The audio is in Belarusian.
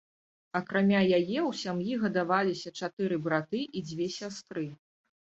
Акрамя яе ў сям'і гадаваліся чатыры браты і дзве сястры.